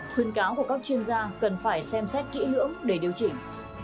khuyên cáo của các chuyên gia cần phải xem xét kỹ lưỡng để điều chỉnh